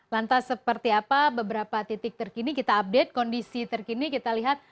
lantas seperti apa beberapa titik terkini kita update kondisi terkini kita lihat